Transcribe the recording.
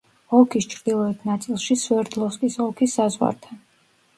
ოლქის ჩრდილოეთ ნაწილში, სვერდლოვსკის ოლქის საზღვართან.